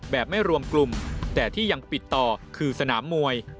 ไม่รวมกลุ่มแต่ที่ยังปิดต่อคือสนามมวย